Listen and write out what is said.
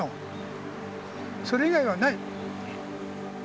それ以外はない。